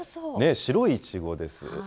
白いいちごです。